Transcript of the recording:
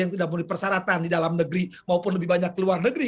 yang tidak memiliki persyaratan di dalam negeri maupun lebih banyak ke luar negeri